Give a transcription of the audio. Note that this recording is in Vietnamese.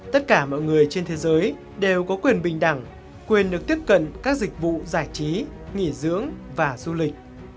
tất cả mọi người trên thế giới đều có quyền bình đẳng quyền được tiếp cận các dịch vụ giải thích